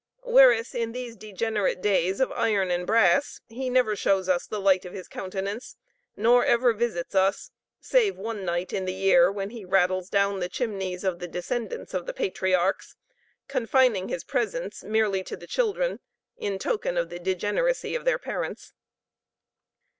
Whereas, in these degenerate days of iron and brass he never shows us the light of his countenance, nor ever visits us, save one night in the year; when he rattles down the chimneys of the descendants of the patriarchs, confining his presents merely to the children, in token of the degeneracy of the parents.